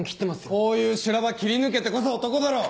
こういう修羅場切り抜けてこそ男だろ！